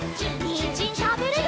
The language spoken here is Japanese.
にんじんたべるよ！